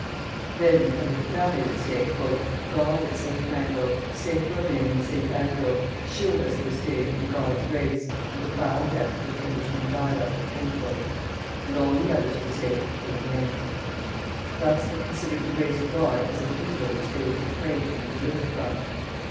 Then the head of the family would say, "God and Saint Mango, Saint Romane and Saint Andro, Shield us this day from God's grace, and the foul death that Englishmen die of." And all the others would say "Amen." Thus they considered the grace of God as an evil which they were to pray to be delivered from.